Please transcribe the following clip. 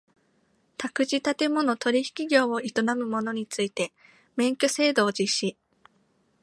宅地建物取引業を営む者について免許制度を実施